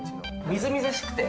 みずみずしくて。